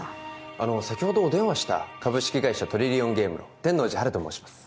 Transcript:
あの先ほどお電話した株式会社トリリオンゲームの天王寺陽と申します